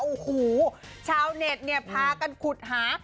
โอ้โหชาวเน็ตพากันขุดฮา